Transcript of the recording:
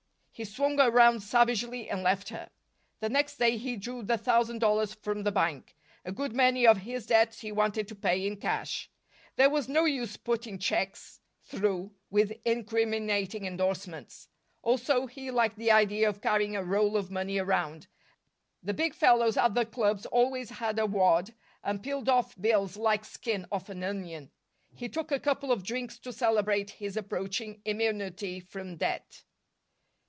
He swung around savagely and left her. The next day he drew the thousand dollars from the bank. A good many of his debts he wanted to pay in cash; there was no use putting checks through, with incriminating indorsements. Also, he liked the idea of carrying a roll of money around. The big fellows at the clubs always had a wad and peeled off bills like skin off an onion. He took a couple of drinks to celebrate his approaching immunity from debt.